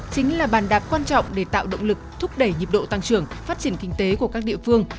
chính là bàn đạp quan trọng để tạo động lực thúc đẩy nhịp độ tăng trưởng phát triển kinh tế của các địa phương